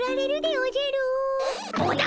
おじゃ。